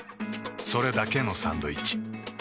それだけのサンドイッチ。